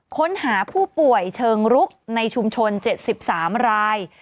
ค้นหาผู้ป่วยเชิงรุกในชุมชน๗๓ราย